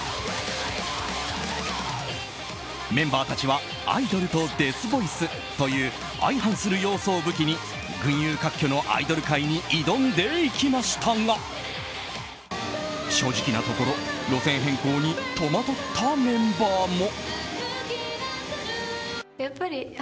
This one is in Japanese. メンバーたちはアイドルとデスボイスという相反する要素を武器に群雄割拠のアイドル界に挑んでいきましたが正直なところ路線変更に戸惑ったメンバーも。